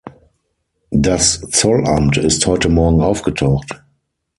Das Zollamt ist heute morgen aufgetaucht.